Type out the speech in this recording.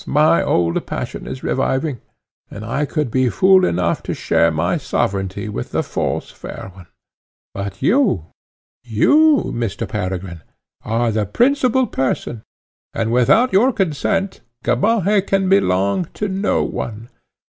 my old passion is reviving, and I could be fool enough to share my sovereignty with the false fair one. But you, you, Mr. Peregrine, are the principal person, and, without your consent, Gamaheh can belong to no one.